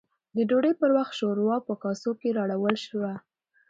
د ډوډۍ پر وخت، شورا په کاسو کې راوړل شوه